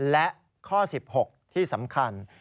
และข้อ๑๖ที่สำคัญ